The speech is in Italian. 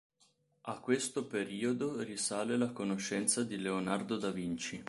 A questo periodo risale la conoscenza di Leonardo Da Vinci.